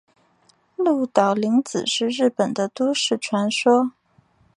鹿岛零子是日本的都市传说。